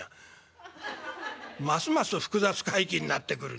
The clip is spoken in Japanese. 「ますます複雑怪奇になってくる。